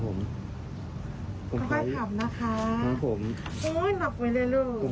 ตามนับไปในด้านลูก